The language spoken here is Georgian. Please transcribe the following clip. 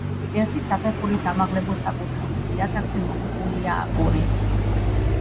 ერთი საფეხურით ამაღლებულ საკურთხევლის იატაკზე მოგებულია აგური.